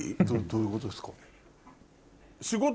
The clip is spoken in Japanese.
どういうことですか？